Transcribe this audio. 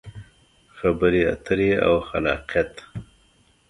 خبرې اترې او خلاقیت: